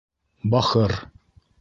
— Бахыр!